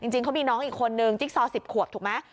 จริงเขามีน้องอีกคนนึงจิ๊กซอ๑๐ขวบถูกไหม